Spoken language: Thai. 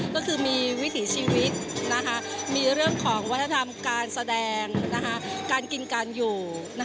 ก็คือมีวิถีชีวิตมีเรื่องของวัฒนธรรมการแสดงการกินการอยู่